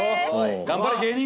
頑張れ芸人！